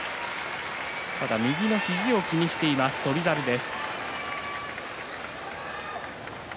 ただ右の肘を気にしています翔猿です。